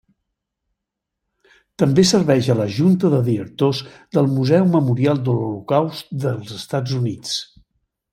També serveix a la Junta de Directors del Museu Memorial de l'Holocaust dels Estats Units.